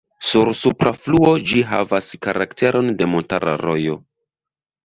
Sur supra fluo ĝi havas karakteron de montara rojo.